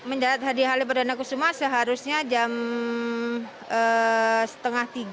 mendarat di halim perdana kusuma seharusnya jam setengah tiga